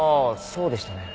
そうでしたね。